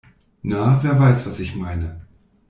Na, wer weiß, was ich meine?